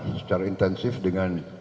secara intensif dengan